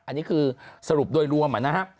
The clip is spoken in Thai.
อันนี้คือสรุปโดยรวมนะครับ